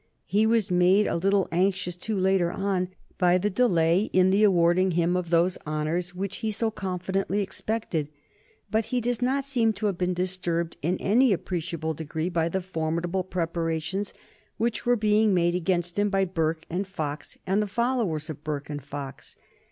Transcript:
He was made a little anxious too, later on, by the delay in the awarding to him of those honors which he so confidently expected. But he does not seem to have been disturbed in any appreciable degree by the formidable preparations which were being made against him by Burke and Fox and the followers of Burke and Fox.